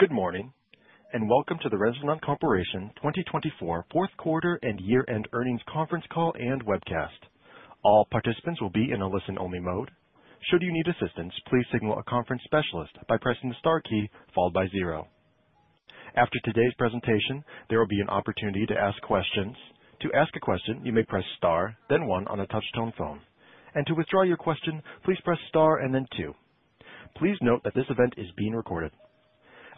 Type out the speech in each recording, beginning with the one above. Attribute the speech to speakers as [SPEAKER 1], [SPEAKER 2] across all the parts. [SPEAKER 1] Good morning, and welcome to the Renasant Corporation 2024 fourth quarter and year-end earnings conference call and webcast. All participants will be in a listen-only mode. Should you need assistance, please signal a conference specialist by pressing the star key followed by zero. After today's presentation, there will be an opportunity to ask questions. To ask a question, you may press star, then one on a touch-tone phone. And to withdraw your question, please press star and then two. Please note that this event is being recorded.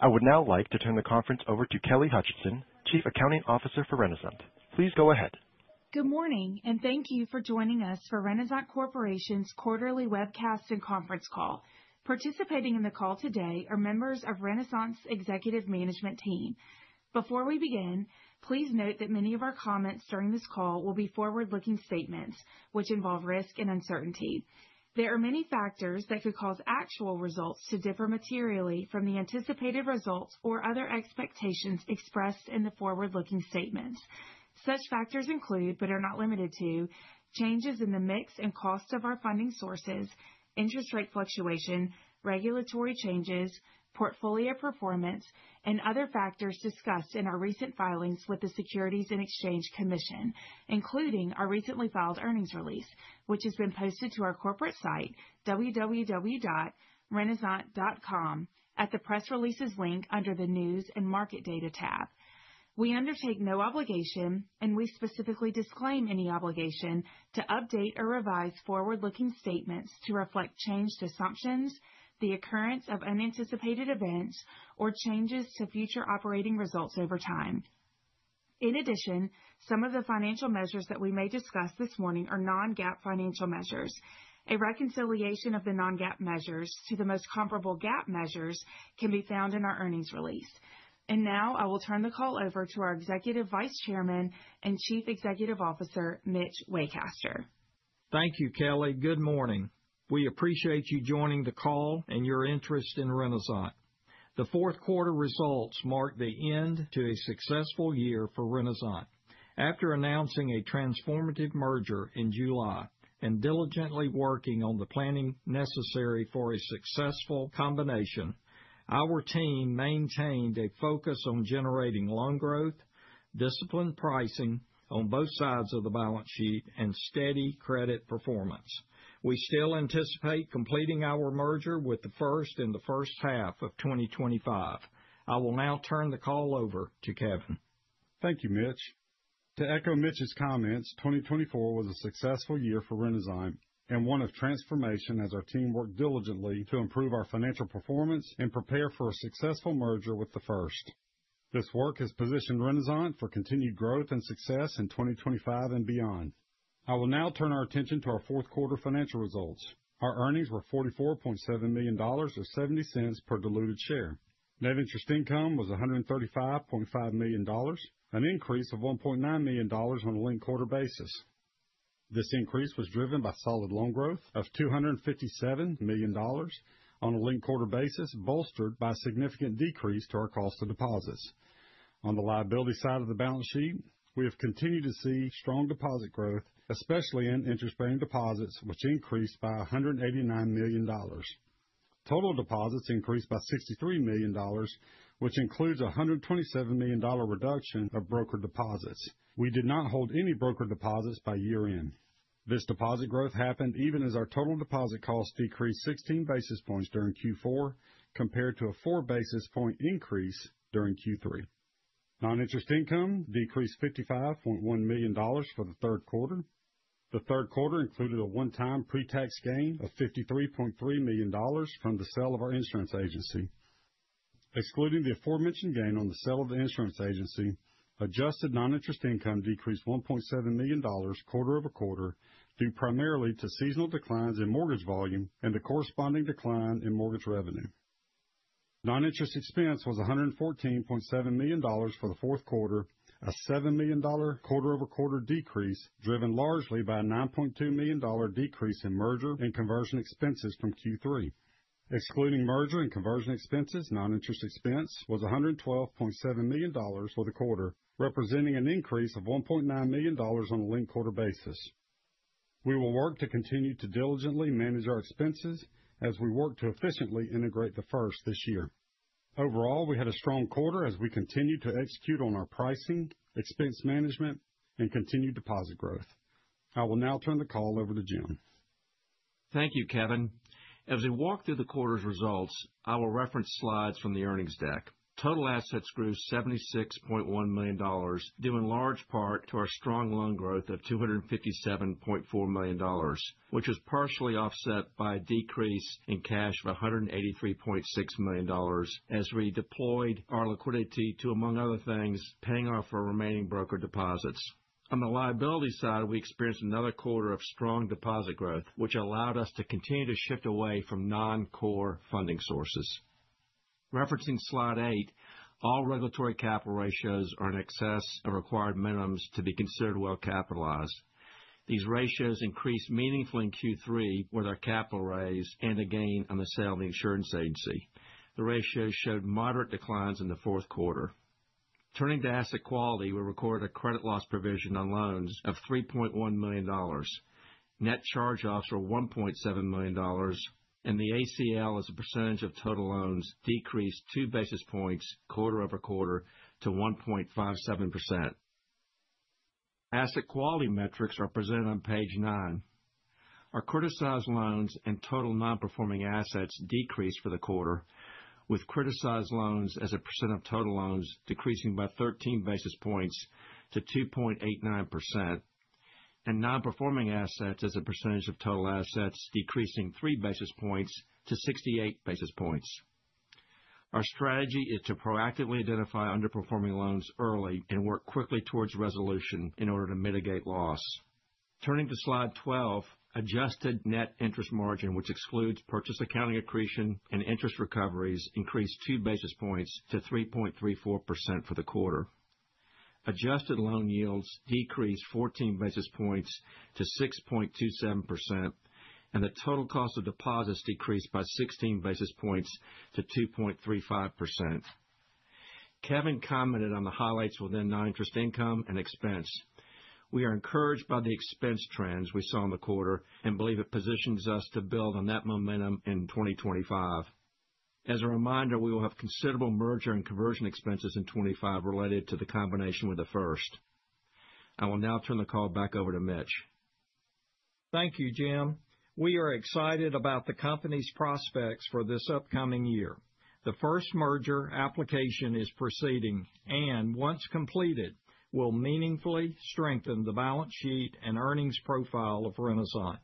[SPEAKER 1] I would now like to turn the conference over to Kelly Hutcheson, Chief Accounting Officer for Renasant. Please go ahead.
[SPEAKER 2] Good morning, and thank you for joining us for Renasant Corporation's quarterly webcast and conference call. Participating in the call today are members of Renasant's executive management team. Before we begin, please note that many of our comments during this call will be forward-looking statements, which involve risk and uncertainty. There are many factors that could cause actual results to differ materially from the anticipated results or other expectations expressed in the forward-looking statement. Such factors include, but are not limited to, changes in the mix and cost of our funding sources, interest rate fluctuation, regulatory changes, portfolio performance, and other factors discussed in our recent filings with the Securities and Exchange Commission, including our recently filed earnings release, which has been posted to our corporate site, www.renasant.com, at the press releases link under the News and Market Data tab. We undertake no obligation, and we specifically disclaim any obligation to update or revise forward-looking statements to reflect changed assumptions, the occurrence of unanticipated events, or changes to future operating results over time. In addition, some of the financial measures that we may discuss this morning are non-GAAP financial measures. A reconciliation of the non-GAAP measures to the most comparable GAAP measures can be found in our earnings release. And now, I will turn the call over to our Executive Vice Chairman and Chief Executive Officer, Mitch Waycaster.
[SPEAKER 3] Thank you, Kelly. Good morning. We appreciate you joining the call and your interest in Renasant. The fourth quarter results mark the end to a successful year for Renasant. After announcing a transformative merger in July and diligently working on the planning necessary for a successful combination, our team maintained a focus on generating loan growth, disciplined pricing on both sides of the balance sheet, and steady credit performance. We still anticipate completing our merger with The First in the first half of 2025. I will now turn the call over to Kevin.
[SPEAKER 4] Thank you, Mitch. To echo Mitch's comments, 2024 was a successful year for Renasant and one of transformation as our team worked diligently to improve our financial performance and prepare for a successful merger with The First. This work has positioned Renasant for continued growth and success in 2025 and beyond. I will now turn our attention to our fourth quarter financial results. Our earnings were $44.7 million or $0.70 per diluted share. Net interest income was $135.5 million, an increase of $1.9 million on a linked quarter basis. This increase was driven by solid loan growth of $257 million on a linked quarter basis, bolstered by a significant decrease in our cost of deposits. On the liability side of the balance sheet, we have continued to see strong deposit growth, especially in interest-bearing deposits, which increased by $189 million. Total deposits increased by $63 million, which includes a $127 million reduction of broker deposits. We did not hold any broker deposits by year-end. This deposit growth happened even as our total deposit costs decreased 16 basis points during Q4 compared to a 4 basis point increase during Q3. Non-interest income decreased $55.1 million for the third quarter. The third quarter included a one-time pre-tax gain of $53.3 million from the sale of our insurance agency. Excluding the aforementioned gain on the sale of the insurance agency, adjusted non-interest income decreased $1.7 million quarter-over-quarter due primarily to seasonal declines in mortgage volume and the corresponding decline in mortgage revenue. Non-interest expense was $114.7 million for the fourth quarter, a $7 million quarter-over-quarter decrease driven largely by a $9.2 million decrease in merger and conversion expenses from Q3. Excluding merger and conversion expenses, non-interest expense was $112.7 million for the quarter, representing an increase of $1.9 million on a linked quarter basis. We will work to continue to diligently manage our expenses as we work to efficiently integrate The First this year. Overall, we had a strong quarter as we continued to execute on our pricing, expense management, and continued deposit growth. I will now turn the call over to Jim.
[SPEAKER 5] Thank you, Kevin. As we walk through the quarter's results, I will reference slides from the earnings deck. Total assets grew $76.1 million, due in large part to our strong loan growth of $257.4 million, which was partially offset by a decrease in cash of $183.6 million as we deployed our liquidity to, among other things, paying off our remaining broker deposits. On the liability side, we experienced another quarter of strong deposit growth, which allowed us to continue to shift away from non-core funding sources. Referencing slide eight, all regulatory capital ratios are in excess of required minimums to be considered well-capitalized. These ratios increased meaningfully in Q3 with our capital raise and the gain on the sale of the insurance agency. The ratios showed moderate declines in the fourth quarter. Turning to asset quality, we recorded a credit loss provision on loans of $3.1 million. Net charge-offs were $1.7 million, and the ACL as a percentage of total loans decreased two basis points quarter-over-quarter to 1.57%. Asset quality metrics are presented on page nine. Our criticized loans and total non-performing assets decreased for the quarter, with criticized loans as a percent of total loans decreasing by 13 basis points to 2.89%, and non-performing assets as a percentage of total assets decreasing three basis points to 68 basis points. Our strategy is to proactively identify underperforming loans early and work quickly towards resolution in order to mitigate loss. Turning to slide 12, adjusted net interest margin, which excludes purchase accounting accretion and interest recoveries, increased two basis points to 3.34% for the quarter. Adjusted loan yields decreased 14 basis points to 6.27%, and the total cost of deposits decreased by 16 basis points to 2.35%. Kevin commented on the highlights within non-interest income and expense. We are encouraged by the expense trends we saw in the quarter and believe it positions us to build on that momentum in 2025. As a reminder, we will have considerable merger and conversion expenses in 2025 related to the combination with The First. I will now turn the call back over to Mitch.
[SPEAKER 3] Thank you, Jim. We are excited about the company's prospects for this upcoming year. The First merger application is proceeding, and once completed, will meaningfully strengthen the balance sheet and earnings profile of Renasant.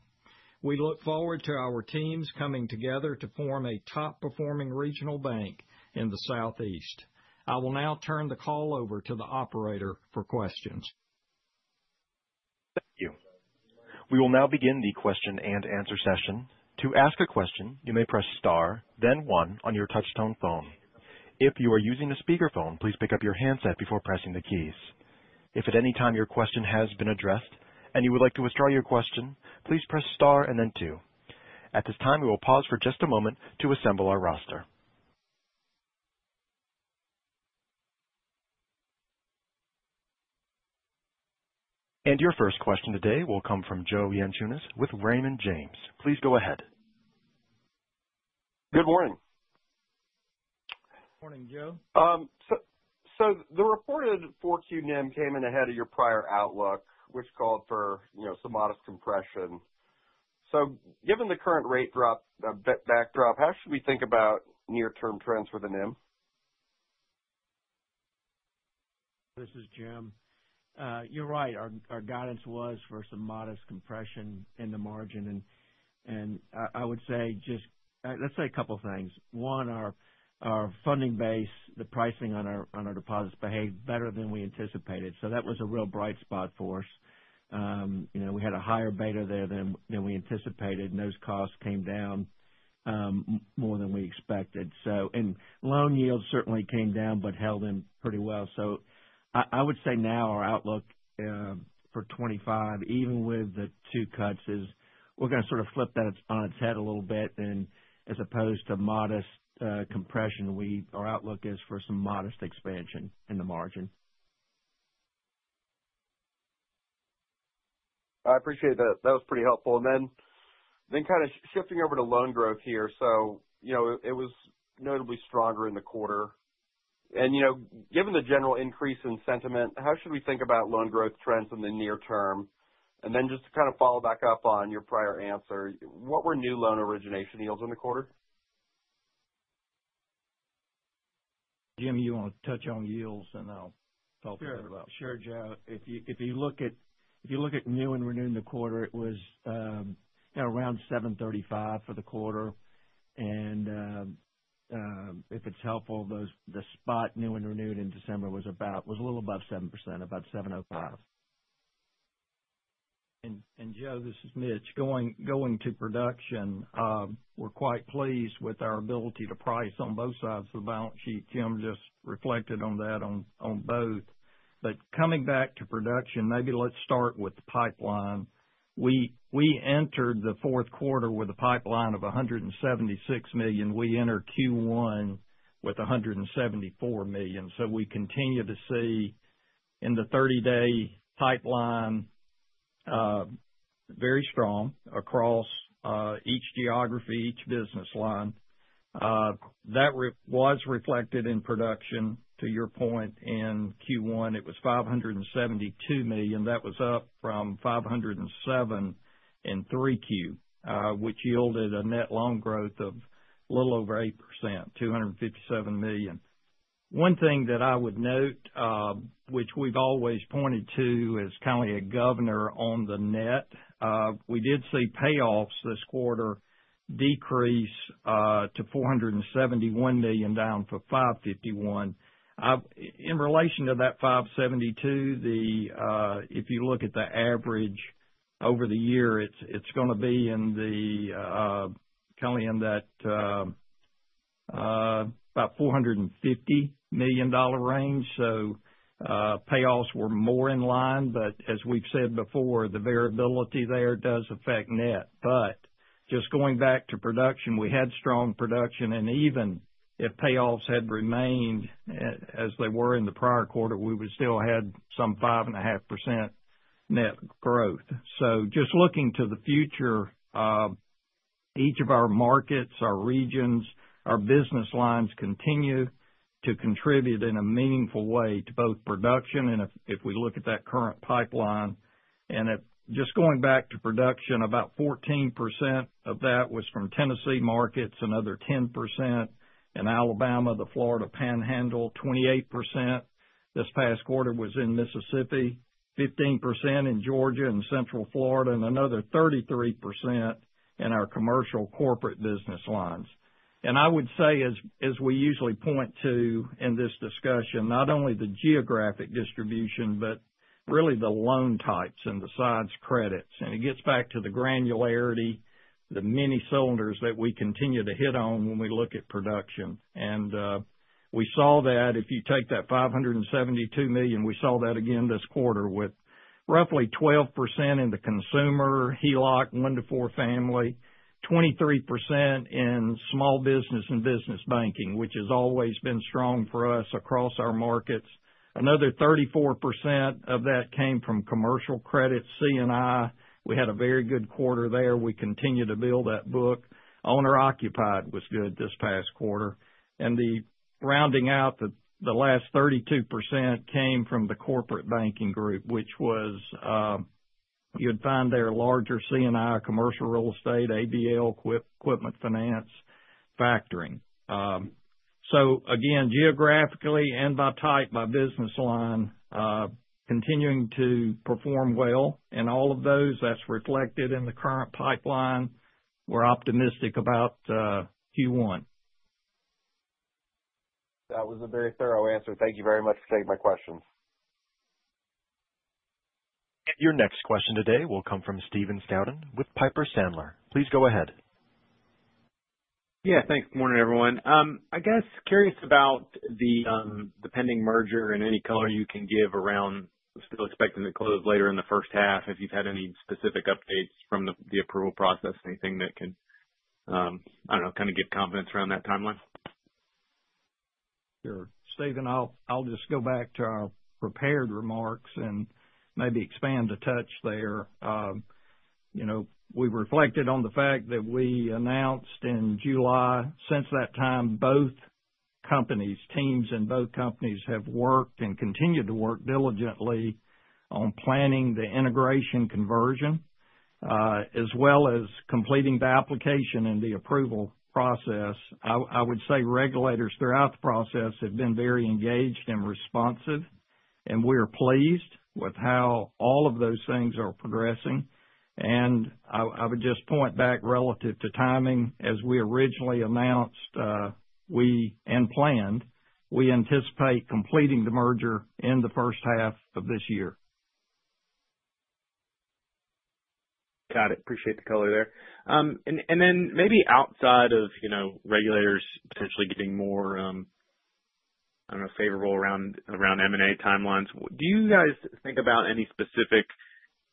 [SPEAKER 3] We look forward to our teams coming together to form a top-performing regional bank in the Southeast. I will now turn the call over to the operator for questions.
[SPEAKER 1] Thank you. We will now begin the question-and-answer session. To ask a question, you may press star, then one on your touch-tone phone. If you are using a speakerphone, please pick up your handset before pressing the keys. If at any time your question has been addressed and you would like to withdraw your question, please press star and then two. At this time, we will pause for just a moment to assemble our roster and your first question today will come from Joe Yanchunis with Raymond James. Please go ahead.
[SPEAKER 6] Good morning.
[SPEAKER 3] Morning, Joe.
[SPEAKER 6] So the reported 4Q NIM came in ahead of your prior outlook, which called for some modest compression. So given the current rate drop, backdrop, how should we think about near-term trends for the NIM?
[SPEAKER 5] This is Jim. You're right. Our guidance was for some modest compression in the margin, and I would say just, let's say a couple of things. One, our funding base, the pricing on our deposits behaved better than we anticipated, so that was a real bright spot for us. We had a higher beta there than we anticipated, and those costs came down more than we expected, and loan yields certainly came down but held in pretty well, so I would say now our outlook for 2025, even with the two cuts, is we're going to sort of flip that on its head a little bit, and as opposed to modest compression, our outlook is for some modest expansion in the margin.
[SPEAKER 6] I appreciate that. That was pretty helpful. And then kind of shifting over to loan growth here. So it was notably stronger in the quarter. And given the general increase in sentiment, how should we think about loan growth trends in the near term? And then just to kind of follow back up on your prior answer, what were new loan origination yields in the quarter?
[SPEAKER 3] Jim, you want to touch on yields, and I'll follow through.
[SPEAKER 5] Sure, Joe. If you look at new and renewed in the quarter, it was around 735 for the quarter. And if it's helpful, the spot new and renewed in December was a little above 7%, about 705.
[SPEAKER 3] Joe, this is Mitch. Going to production, we're quite pleased with our ability to price on both sides of the balance sheet. Jim just reflected on that on both. Coming back to production, maybe let's start with the pipeline. We entered the fourth quarter with a pipeline of $176 million. We entered Q1 with $174 million. So we continue to see in the 30-day pipeline very strong across each geography, each business line. That was reflected in production. To your point, in Q1, it was $572 million. That was up from $507 million in 3Q, which yielded a net loan growth of a little over 8%, $257 million. One thing that I would note, which we've always pointed to as kind of a governor on the net, we did see payoffs this quarter decrease to $471 million, down from $551 million. In relation to that 572, if you look at the average over the year, it's going to be kind of in that about $450 million range. So payoffs were more in line. But as we've said before, the variability there does affect net. But just going back to production, we had strong production. And even if payoffs had remained as they were in the prior quarter, we would still have some 5.5% net growth. So just looking to the future, each of our markets, our regions, our business lines continue to contribute in a meaningful way to both production. And if we look at that current pipeline, and just going back to production, about 14% of that was from Tennessee markets and another 10% in Alabama, the Florida Panhandle, 28% this past quarter was in Mississippi, 15% in Georgia and Central Florida, and another 33% in our commercial corporate business lines. And I would say, as we usually point to in this discussion, not only the geographic distribution, but really the loan types and the size credits. And it gets back to the granularity, the many cylinders that we continue to hit on when we look at production. And we saw that if you take that $572 million, we saw that again this quarter with roughly 12% in the consumer, HELOC, one to four family, 23% in small business and business banking, which has always been strong for us across our markets. Another 34% of that came from commercial credit, C&I. We had a very good quarter there. We continue to build that book. Owner-occupied was good this past quarter. And rounding out the last 32% came from the corporate banking group, which, as you'd find there, a larger C&I, commercial real estate, ABL, equipment finance, factoring. So again, geographically and by type, by business line, continuing to perform well in all of those. That's reflected in the current pipeline. We're optimistic about Q1.
[SPEAKER 6] That was a very thorough answer. Thank you very much for taking my questions.
[SPEAKER 1] Your next question today will come from Stephen Scouten with Piper Sandler. Please go ahead.
[SPEAKER 7] Yeah, thanks. Good morning, everyone. I guess curious about the pending merger and any color you can give around still expecting to close later in the first half if you've had any specific updates from the approval process, anything that can, I don't know, kind of give confidence around that timeline.
[SPEAKER 3] Sure. Stephen, I'll just go back to our prepared remarks and maybe expand a touch there. We reflected on the fact that we announced in July. Since that time, both companies, teams in both companies have worked and continue to work diligently on planning the integration conversion as well as completing the application and the approval process. I would say regulators throughout the process have been very engaged and responsive. And we are pleased with how all of those things are progressing. And I would just point back relative to timing. As we originally announced and planned, we anticipate completing the merger in the first half of this year.
[SPEAKER 7] Got it. Appreciate the color there and then maybe outside of regulators potentially getting more, I don't know, favorable around M&A timelines, do you guys think about any specific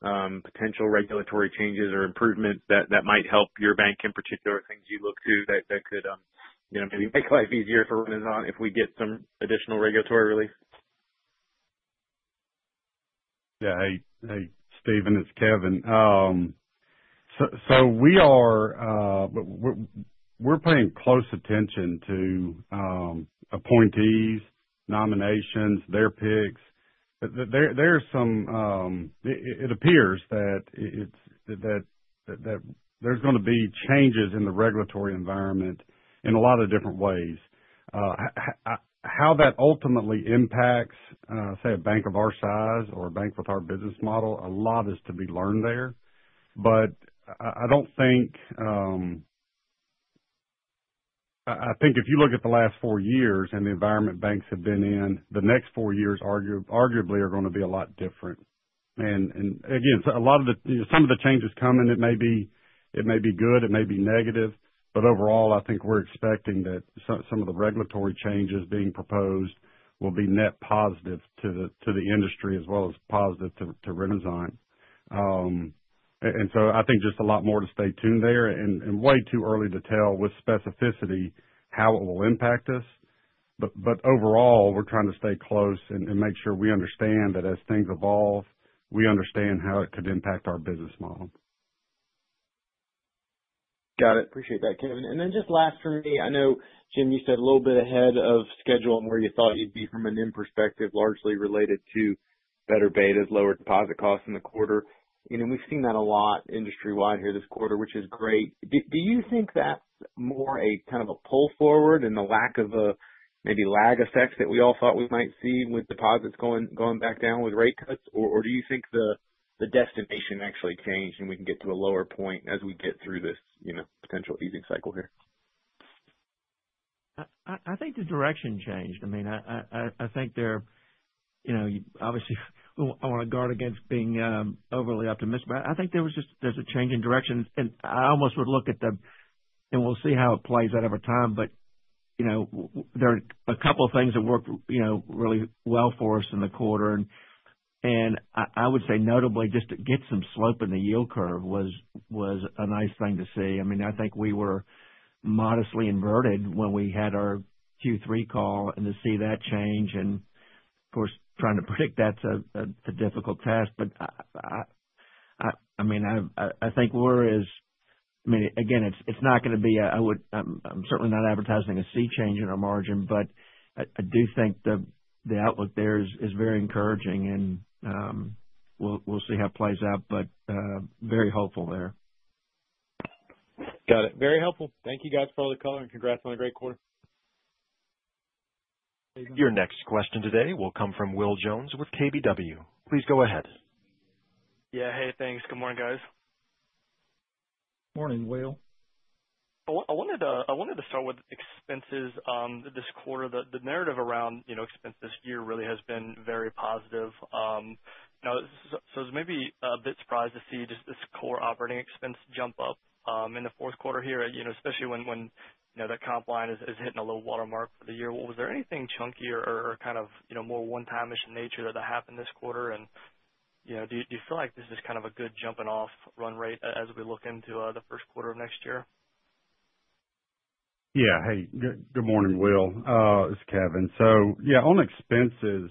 [SPEAKER 7] potential regulatory changes or improvements that might help your bank in particular, things you look to that could maybe make life easier for Renasant if we get some additional regulatory relief?
[SPEAKER 4] Yeah. Hey, Stephen, it's Kevin. So we're paying close attention to appointees, nominations, their picks. There's some. It appears that there's going to be changes in the regulatory environment in a lot of different ways. How that ultimately impacts, say, a bank of our size or a bank with our business model, a lot is to be learned there. But I don't think. I think if you look at the last four years and the environment banks have been in, the next four years arguably are going to be a lot different. And again, a lot of the changes coming, it may be good, it may be negative. But overall, I think we're expecting that some of the regulatory changes being proposed will be net positive to the industry as well as positive to Renasant. And so I think just a lot more to stay tuned there. Way too early to tell with specificity how it will impact us. Overall, we're trying to stay close and make sure we understand that as things evolve, we understand how it could impact our business model.
[SPEAKER 7] Got it. Appreciate that, Kevin. And then just last for me, I know, Jim, you said a little bit ahead of schedule and where you thought you'd be from a NIM perspective, largely related to better betas, lower deposit costs in the quarter. We've seen that a lot industry-wide here this quarter, which is great. Do you think that's more a kind of a pull forward and the lack of maybe lag effects that we all thought we might see with deposits going back down with rate cuts? Or do you think the destination actually changed and we can get to a lower point as we get through this potential easing cycle here?
[SPEAKER 5] I think the direction changed. I mean, I think there obviously, I want to guard against being overly optimistic, but I think there was just a change in direction. I almost would look at the, and we'll see how it plays out over time. But there are a couple of things that worked really well for us in the quarter. I would say notably, just to get some slope in the yield curve was a nice thing to see. I mean, I think we were modestly inverted when we had our Q3 call and to see that change. Of course, trying to predict that's a difficult task. But I mean, I think we're, as I mean, again, it's not going to be a, I'm certainly not advertising a sea change in our margin, but I do think the outlook there is very encouraging. We'll see how it plays out, but very hopeful there.
[SPEAKER 7] Got it. Very helpful. Thank you, guys, for all the color and congrats on a great quarter.
[SPEAKER 1] Your next question today will come from Will Jones with KBW. Please go ahead.
[SPEAKER 8] Yeah. Hey, thanks. Good morning, guys.
[SPEAKER 3] Morning, Will.
[SPEAKER 8] I wanted to start with expenses this quarter. The narrative around expenses this year really has been very positive, so I was maybe a bit surprised to see just this core operating expense jump up in the fourth quarter here, especially when that comp line is hitting a low watermark for the year. Was there anything chunky or kind of more one-time-ish in nature that happened this quarter? And do you feel like this is kind of a good jumping-off run rate as we look into the first quarter of next year?
[SPEAKER 5] Yeah. Hey, good morning, Will. This is Kevin. So yeah, on expenses,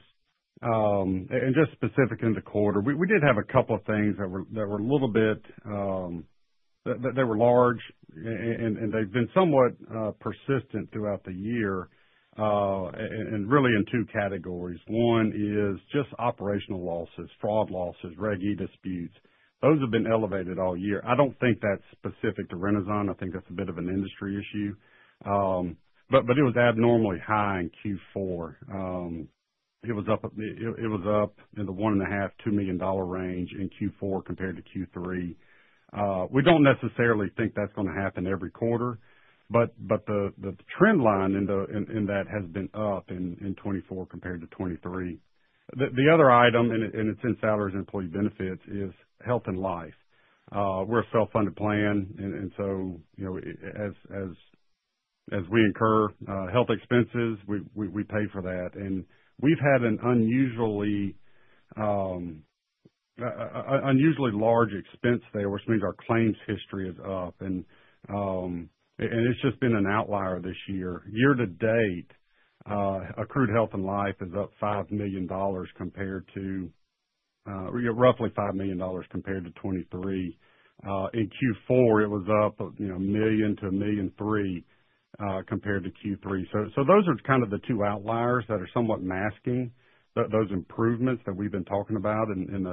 [SPEAKER 5] and just specific in the quarter, we did have a couple of things that were a little bit that were large, and they've been somewhat persistent throughout the year, and really in two categories. One is just operational losses, fraud losses, Reg E disputes. Those have been elevated all year. I don't think that's specific to Renasant. I think that's a bit of an industry issue. But it was abnormally high in Q4. It was up in the $1.5 million-$2 million range in Q4 compared to Q3. We don't necessarily think that's going to happen every quarter, but the trend line in that has been up in 2024 compared to 2023. The other item, and it's in salaries and employee benefits, is health and life. We're a self-funded plan. And so as we incur health expenses, we pay for that. And we've had an unusually large expense there, which means our claims history is up. And it's just been an outlier this year. Year to date, accrued health and life is up $5 million compared to roughly $5 million compared to 2023. In Q4, it was up $1 million-$1.3 million compared to Q3. So those are kind of the two outliers that are somewhat masking those improvements that we've been talking about in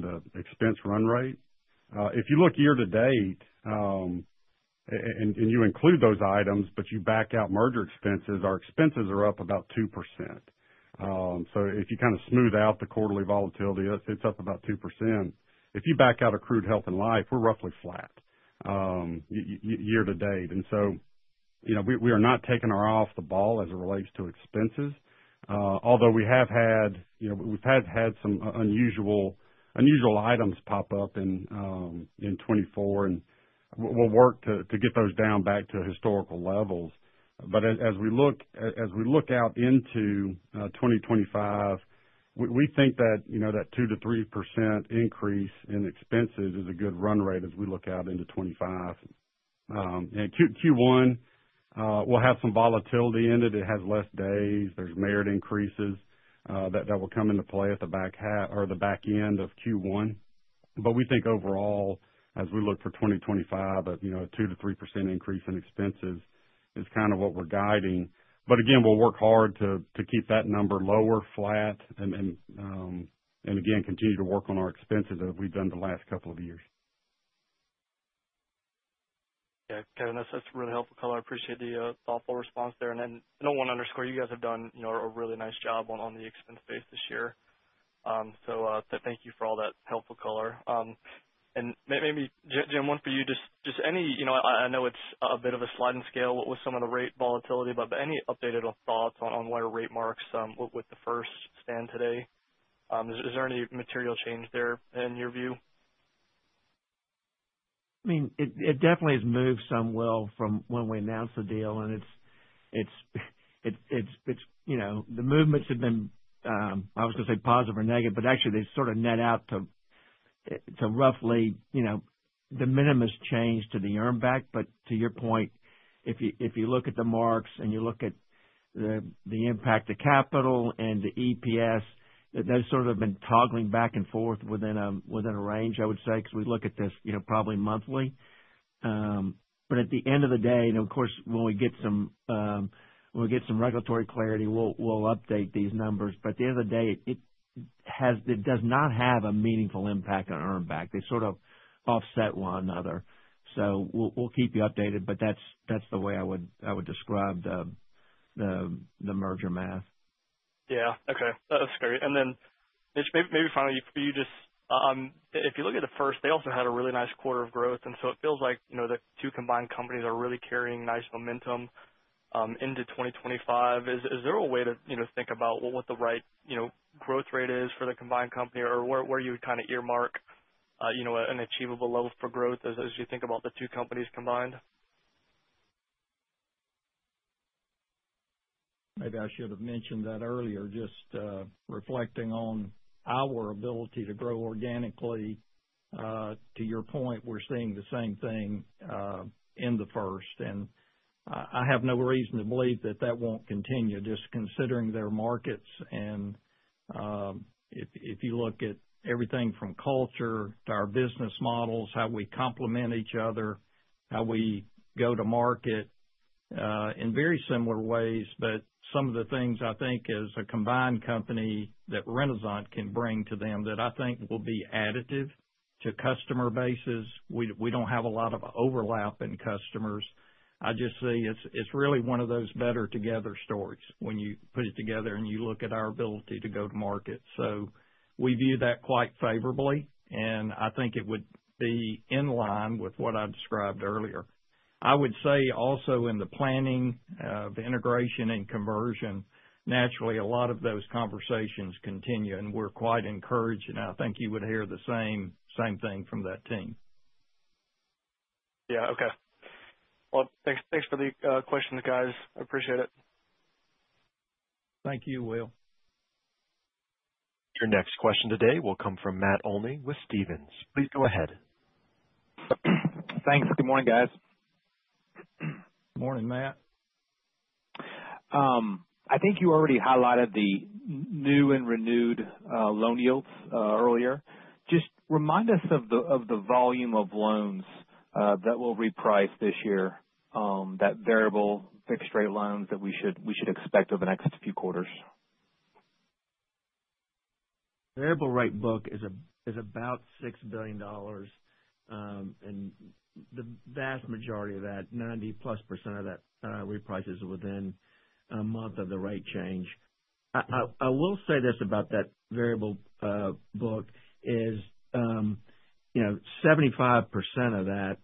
[SPEAKER 5] the expense run rate. If you look year to date, and you include those items, but you back out merger expenses, our expenses are up about 2%. So if you kind of smooth out the quarterly volatility, it's up about 2%. If you back out accrued health and life, we're roughly flat year to date. And so we are not taking our eye off the ball as it relates to expenses. Although we've had some unusual items pop up in 2024, and we'll work to get those down back to historical levels. But as we look out into 2025, we think that 2%-3% increase in expenses is a good run rate as we look out into 2025. And Q1, we'll have some volatility in it. It has less days. There's merit increases that will come into play at the back end of Q1. But we think overall, as we look for 2025, a 2%-3% increase in expenses is kind of what we're guiding. But again, we'll work hard to keep that number lower, flat, and again, continue to work on our expenses as we've done the last couple of years.
[SPEAKER 8] Yeah. Kevin, that's really helpful color. I appreciate the thoughtful response there. And I don't want to underscore, you guys have done a really nice job on the expense base this year. So thank you for all that helpful color. And maybe, Jim, one for you, just any. I know it's a bit of a sliding scale with some of the rate volatility, but any updated thoughts on what our rate marks with The First Bancshares today? Is there any material change there in your view?
[SPEAKER 5] I mean, it definitely has moved somewhat from when we announced the deal, and the movements have been. I was going to say positive or negative, but actually, they sort of net out to roughly the minimum change to the earnback. But to your point, if you look at the marks and you look at the impact to capital and the EPS, those sort of have been toggling back and forth within a range, I would say, because we look at this probably monthly. But at the end of the day, and of course, when we get some regulatory clarity, we'll update these numbers. But at the end of the day, it does not have a meaningful impact on earnback. They sort of offset one another. So we'll keep you updated, but that's the way I would describe the merger math.
[SPEAKER 8] Yeah. Okay. That's great. And then maybe finally, for you just if you look at the first, they also had a really nice quarter of growth. And so it feels like the two combined companies are really carrying nice momentum into 2025. Is there a way to think about what the right growth rate is for the combined company or where you would kind of earmark an achievable level for growth as you think about the two companies combined?
[SPEAKER 3] Maybe I should have mentioned that earlier, just reflecting on our ability to grow organically. To your point, we're seeing the same thing in The First, and I have no reason to believe that that won't continue, just considering their markets, and if you look at everything from culture to our business models, how we complement each other, how we go to market in very similar ways, but some of the things I think as a combined company that Renasant can bring to them that I think will be additive to customer bases. We don't have a lot of overlap in customers. I just say it's really one of those better together stories when you put it together and you look at our ability to go to market, so we view that quite favorably, and I think it would be in line with what I described earlier. I would say also in the planning of integration and conversion, naturally, a lot of those conversations continue, and we're quite encouraged, and I think you would hear the same thing from that team.
[SPEAKER 8] Yeah. Okay. Well, thanks for the questions, guys. I appreciate it.
[SPEAKER 3] Thank you, Will.
[SPEAKER 1] Your next question today will come from Matt Olney with Stephens. Please go ahead.
[SPEAKER 9] Thanks. Good morning, guys.
[SPEAKER 3] Good morning, Matt.
[SPEAKER 9] I think you already highlighted the new and renewed loan yields earlier. Just remind us of the volume of loans that will reprice this year, that variable fixed-rate loans that we should expect over the next few quarters?
[SPEAKER 3] Variable rate book is about $6 billion, and the vast majority of that, 90+% of that, reprices within a month of the rate change. I will say this about that variable book is 75% of that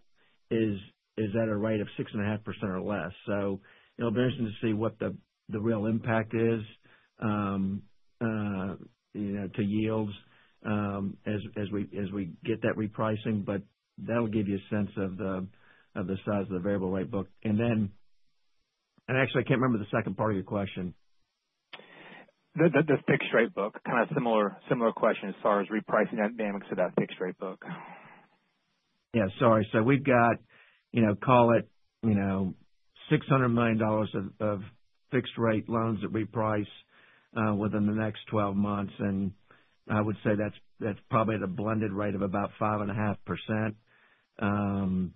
[SPEAKER 3] is at a rate of 6.5% or less, so it'll be interesting to see what the real impact is to yields as we get that repricing. But that'll give you a sense of the size of the variable rate book, and actually, I can't remember the second part of your question.
[SPEAKER 9] The fixed-rate book, kind of similar question as far as repricing dynamics of that fixed-rate book.
[SPEAKER 3] Yeah. Sorry. So we've got, call it, $600 million of fixed-rate loans that reprice within the next 12 months. And I would say that's probably at a blended rate of about 5.5%. And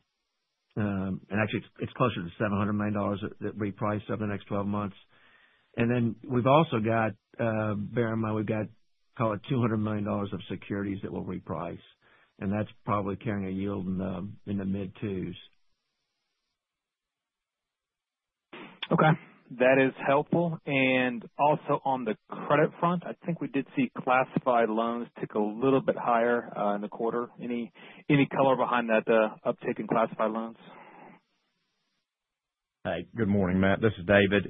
[SPEAKER 3] actually, it's closer to $700 million that reprice over the next 12 months. And then we've also got, bear in mind, we've got, call it, $200 million of securities that will reprice. And that's probably carrying a yield in the mid-twos.
[SPEAKER 9] Okay. That is helpful. And also on the credit front, I think we did see classified loans tick a little bit higher in the quarter. Any color behind that uptick in classified loans?
[SPEAKER 10] Hi. Good morning, Matt. This is David.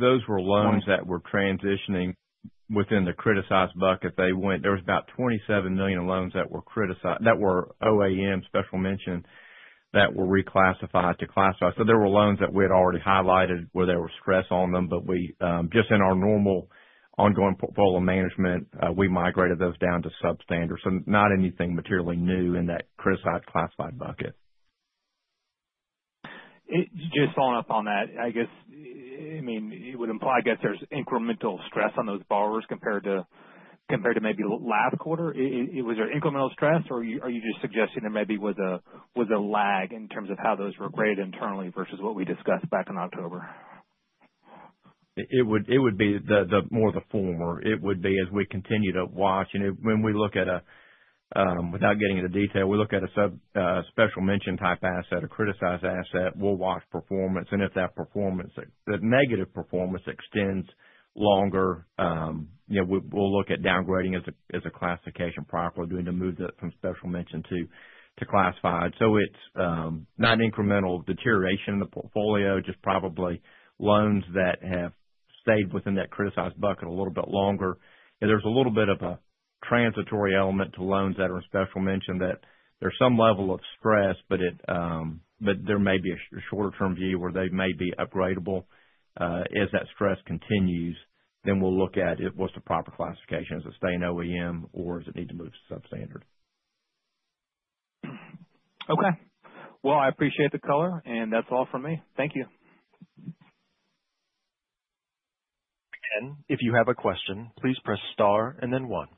[SPEAKER 10] Those were loans that were transitioning within the criticized bucket. There was about $27 million of loans that were OAEM, special mention, that were reclassified to classified. So there were loans that we had already highlighted where there were stress on them. But just in our normal ongoing portfolio management, we migrated those down to substandard. So not anything materially new in that criticized classified bucket.
[SPEAKER 9] Just following up on that, I guess, I mean, it would imply, I guess, there's incremental stress on those borrowers compared to maybe last quarter. Was there incremental stress, or are you just suggesting there maybe was a lag in terms of how those were graded internally versus what we discussed back in October?
[SPEAKER 10] It would be more the former. It would be as we continue to watch. And when we look at, without getting into detail, we look at a Special Mention type asset, a Criticized asset, we'll watch performance. And if that performance, the negative performance extends longer, we'll look at downgrading as a classification proper, doing the move from Special Mention to Classified. So it's not incremental deterioration in the portfolio, just probably loans that have stayed within that Criticized bucket a little bit longer. And there's a little bit of a transitory element to loans that are in Special Mention that there's some level of stress, but there may be a shorter-term view where they may be upgradable. If that stress continues, then we'll look at what's the proper classification. Is it staying OAEM, or does it need to move to Substandard?
[SPEAKER 9] Okay. Well, I appreciate the color. And that's all for me. Thank you.
[SPEAKER 1] Again, if you have a question, please press star and then one,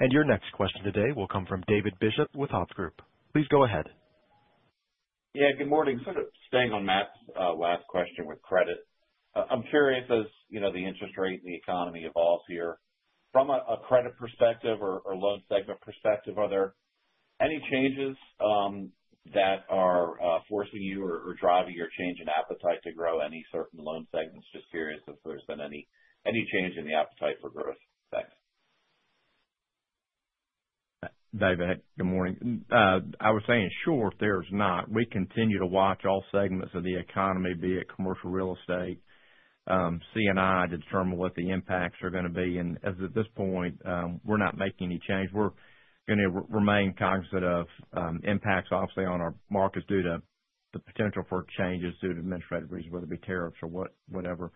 [SPEAKER 1] and your next question today will come from David Bishop with Hovde Group. Please go ahead.
[SPEAKER 11] Yeah. Good morning. Sort of staying on Matt's last question with credit. I'm curious, as the interest rate and the economy evolves here, from a credit perspective or loan segment perspective, are there any changes that are forcing you or driving your change in appetite to grow any certain loan segments? Just curious if there's been any change in the appetite for growth. Thanks.
[SPEAKER 5] David, good morning. I was saying, sure, there's not. We continue to watch all segments of the economy, be it commercial real estate, C&I, to determine what the impacts are going to be. As of this point, we're not making any change. We're going to remain cognizant of impacts, obviously, on our markets due to the potential for changes due to administrative reasons, whether it be tariffs or whatever.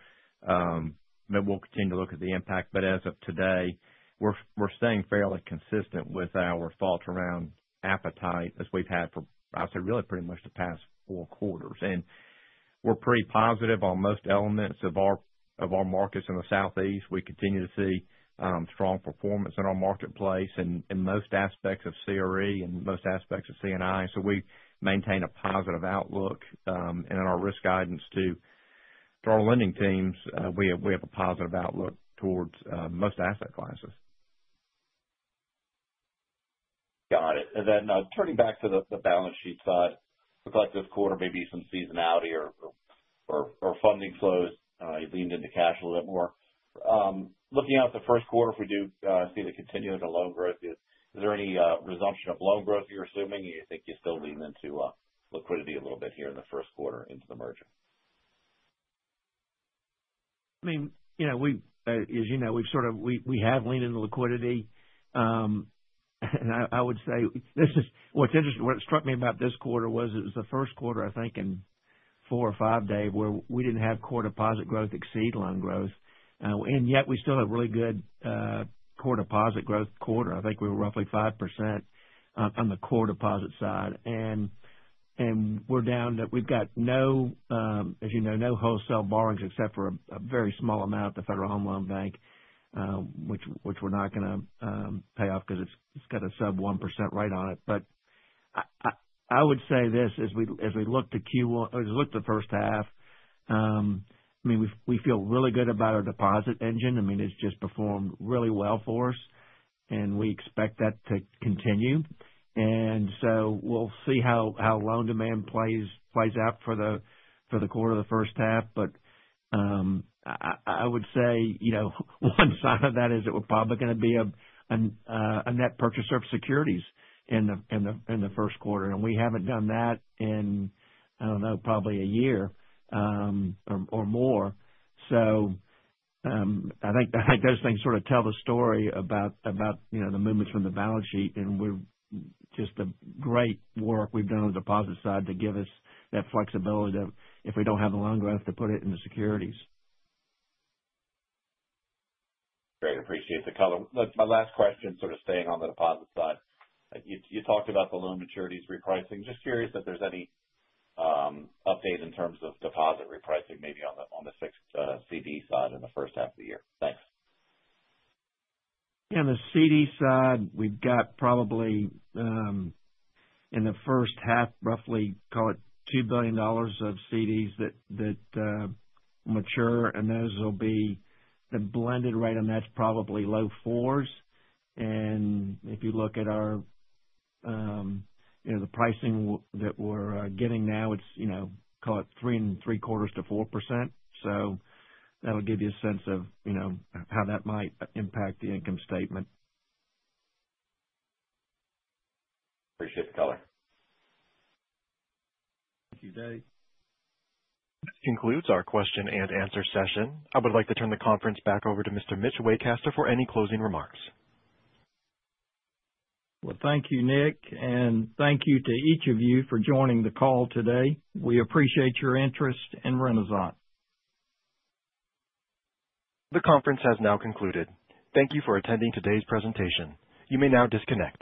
[SPEAKER 5] We'll continue to look at the impact. As of today, we're staying fairly consistent with our thoughts around appetite as we've had for, I'd say, really pretty much the past four quarters. We're pretty positive on most elements of our markets in the Southeast. We continue to see strong performance in our marketplace in most aspects of CRE and most aspects of C&I. We maintain a positive outlook. In our risk guidance to our lending teams, we have a positive outlook towards most asset classes.
[SPEAKER 11] Got it. And then turning back to the balance sheet side, looked like this quarter maybe some seasonality or funding flows. You leaned into cash a little bit more. Looking out the first quarter, if we do see the continuation of loan growth, is there any resumption of loan growth you're assuming? You think you're still leaning into liquidity a little bit here in the first quarter into the merger?
[SPEAKER 3] I mean, as you know, we've sort of leaned into liquidity. I would say what's interesting, what struck me about this quarter was it was the first quarter, I think, in four or five years where we didn't have core deposit growth exceed loan growth. Yet, we still have really good core deposit growth quarter. I think we were roughly 5% on the core deposit side. We're down to, as you know, no wholesale borrowings except for a very small amount at the Federal Home Loan Bank, which we're not going to pay off because it's got a sub 1% rate on it. I would say this as we look to Q1 or as we look to the first half. I mean, we feel really good about our deposit engine. I mean, it's just performed really well for us. And we expect that to continue. And so we'll see how loan demand plays out for the quarter of the first half. But I would say one side of that is it was probably going to be a net purchase of securities in the first quarter. And we haven't done that in, I don't know, probably a year or more. So I think those things sort of tell the story about the movements from the balance sheet. And just the great work we've done on the deposit side to give us that flexibility that if we don't have the loan growth to put it in the securities.
[SPEAKER 11] Great. Appreciate the color. My last question sort of staying on the deposit side. You talked about the loan maturities repricing. Just curious if there's any update in terms of deposit repricing maybe on the fixed CD side in the first half of the year? Thanks.
[SPEAKER 3] On the CD side, we've got probably in the first half, roughly, call it $2 billion of CDs that mature. And those will be the blended rate, and that's probably low fours. And if you look at our pricing that we're getting now, it's, call it, 3.75%-4%. So that'll give you a sense of how that might impact the income statement.
[SPEAKER 11] Appreciate the color.
[SPEAKER 3] Thank you, Dave.
[SPEAKER 1] This concludes our question and answer session. I would like to turn the conference back over to Mr. Mitch Waycaster for any closing remarks.
[SPEAKER 3] Thank you, Nick. Thank you to each of you for joining the call today. We appreciate your interest in Renasant.
[SPEAKER 1] The conference has now concluded. Thank you for attending today's presentation. You may now disconnect.